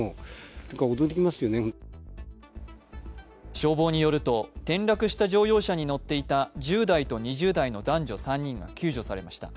消防によると、転落した乗用車に乗っていた１０代と２０代の男女３人が救助されました。